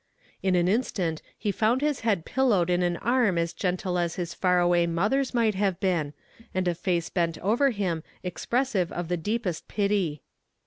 "In an instant he found his head pillowed on an arm as gentle as his far away mother's might have been, and a face bent over him expressive of the deepest pity.